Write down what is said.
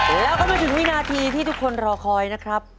แล้วก็มาถึงวินาทีที่ทุกคนรอคอยนะครับ